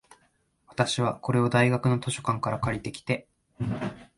私は、これを大学の図書館から借りてきて、